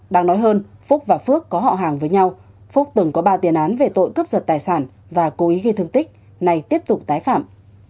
đáng nói hơn phúc và phước có họ hàng với nhau phúc từng có ba tiền án về tội cướp giật tài sản và cố ý gây thương tích này tiếp tục tái phạm